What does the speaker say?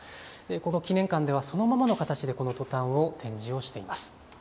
この記念館ではそのままの形でこのトタンを展示をしています。